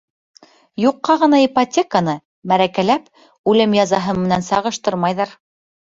Юҡҡа ғына ипотеканы, мәрәкәләп, үлем язаһы менән сағыштырмайҙар.